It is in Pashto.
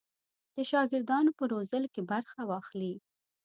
د شاګردانو په روزلو کې برخه واخلي.